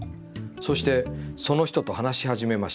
そして、その人と話し始めました。